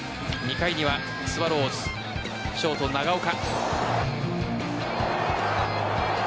２回にはスワローズショート・長岡。